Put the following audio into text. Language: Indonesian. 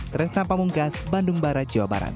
tresna pamungkas bandung barat jawa barat